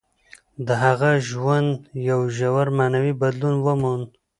د هغه ژوند یو ژور معنوي بدلون وموند.